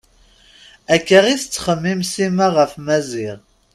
Akka i tettxemmim Sima ɣef Maziɣ.